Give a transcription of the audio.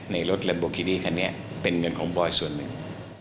ในรถลัมโบกินี่คันนี้เป็นเงินของบอยส่วนหนึ่ง